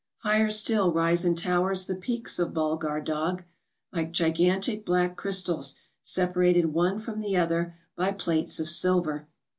Higher still rise in towers the peaks of Bulghar Dagh, like gigantic black crystals separated one from the other by plates of silver.